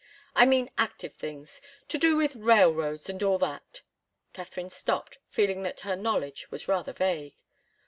"I mean active things to do with railroads, and all that " Katharine stopped, feeling that her knowledge was rather vague.